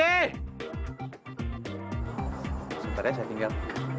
sebentar ya saya tinggal